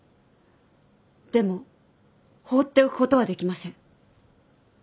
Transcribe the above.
でも放っておくことはできません。